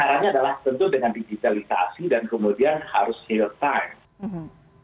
caranya adalah tentu dengan digitalisasi dan kemudian harus real time